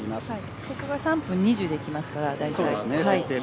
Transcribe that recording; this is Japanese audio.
ここが３分２０で行きますから大体。